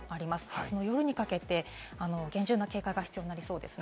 あす夜にかけて厳重な警戒が必要になりそうです。